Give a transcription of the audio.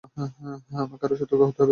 আমাকে আরো সতর্ক হতে হবে।